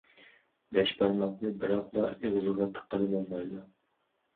بەش بارماقنى بىراقلا ئېغىزغا تىققىلى بولمايدۇ.